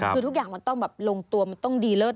คือทุกอย่างมันต้องแบบลงตัวมันต้องดีเลิศ